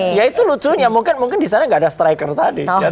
ya itu lucunya mungkin di sana nggak ada striker tadi